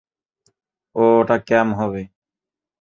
ও-ওটা ক্যাম হবে।